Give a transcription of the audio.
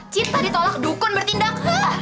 cinta ditolak dukun bertindak